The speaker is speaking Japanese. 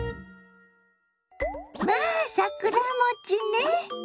まあ桜餅ね。